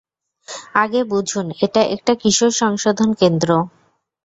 আগে বুঝুন এটা একটা কিশোর সংশোধন কেন্দ্র।